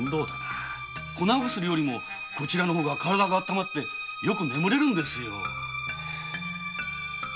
粉薬よりもこちらの方が体が温まってよく眠れるんですよ。